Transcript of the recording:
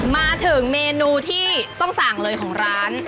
มาถึงเมนูที่ต้องสั่งเลยของร้าน